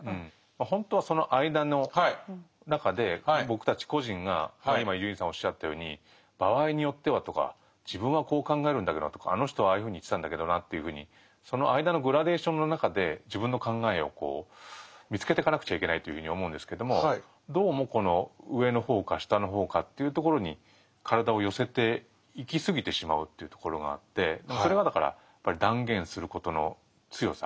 ほんとはその間の中で僕たち個人が今伊集院さんおっしゃったように「場合によっては」とか「自分はこう考えるんだけどな」とか「あの人はああいうふうに言ってたんだけどな」というふうにその間のグラデーションの中で自分の考えを見つけてかなくちゃいけないというふうに思うんですけどもどうもこの上の方か下の方かというところにそれはだからやっぱり断言することの強さ。